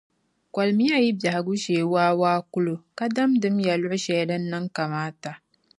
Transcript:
Kolimiya yi bɛhigu shee waawaa kulo, ka damdimiya luɣushɛli din niŋ kamaata.